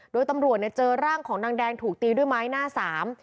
โดยตำรวจเนี่ยเจอร่างของนางแดงถูกตีด้วยไม้หน้าสาม